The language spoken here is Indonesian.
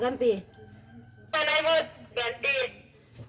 ganti ibu ganti